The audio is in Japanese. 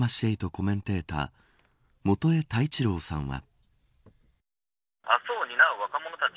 コメンテーター元榮太一郎さんは。